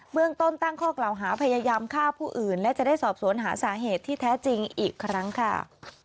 เมืองต้นตั้งข้อกล่าวหาพยายามฆ่าผู้อื่นและจะได้สอบสวนหาสาเหตุที่แท้จริงอีกครั้งค่ะ